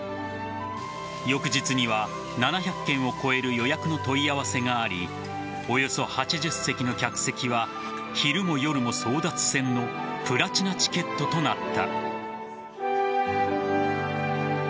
翌日には、７００件を超える予約の問い合わせがありおよそ８０席の客席は昼も夜も争奪戦のプラチナチケットとなった。